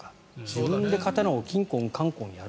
自分で刀をキンコンカンコンやると。